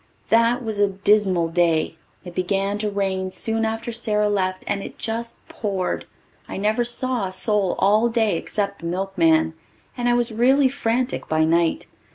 That was a dismal day. It began to rain soon after Sara left and it just poured. I never saw a soul all day except the milkman, and I was really frantic by night.